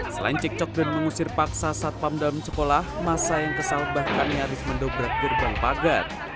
selain cikcok dan mengusir paksa saat pam dalam sekolah masa yang kesal bahkan yang habis mendobrak gerbang pagat